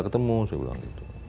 ketemu saya bilang